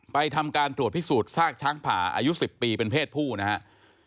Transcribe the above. ทำการตรวจพิสูจน์ซากช้างผ่าอายุ๑๐ปีเป็นเพศผู้นะครับ